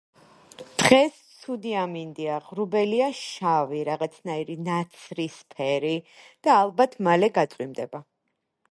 დღეს ცუდი ამინდია, ღრუბელია შავი, რაღაცნაირი, ნაცრისფერი და ალბათ მალე გაწვიმდება.